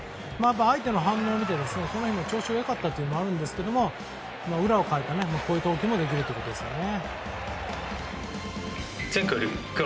相手の反応を見てその日の調子が良かったというのもあったんですけど裏をかいて、こういう投球もできるということですね。